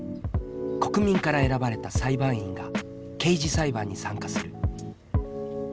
国民から選ばれた裁判員が刑事裁判に参加する。